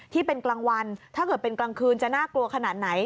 ที่เป็นกลางวันถ้าเกิดเป็นกลางคืนจะน่ากลัวขนาดไหน